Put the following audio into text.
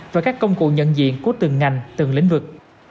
và các công cụ nhận diện của từng ngành từng lĩnh vực